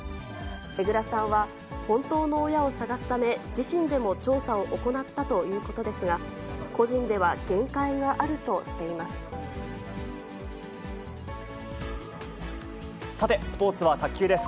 江蔵さんは、本当の親を探すため、自身でも調査を行ったということですが、さてスポーツは卓球です。